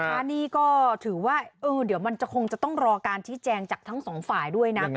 อันนี้ก็ถือว่าเดี๋ยวมันจะคงจะต้องรอการชี้แจงจากทั้งสองฝ่ายด้วยนะ